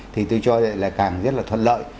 thì tôi cho là càng rất là thuận lợi